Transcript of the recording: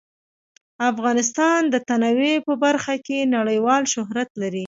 افغانستان د تنوع په برخه کې نړیوال شهرت لري.